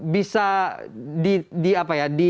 bisa di apa ya